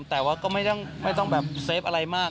แต่ว่าก็ไม่ต้องแบบเซฟอะไรมาก